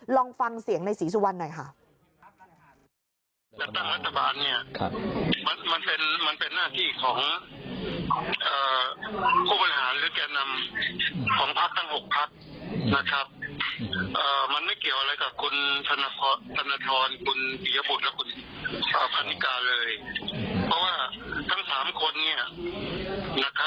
ลองฟังเสียงในศรีสุวรรณหน่อยค่ะ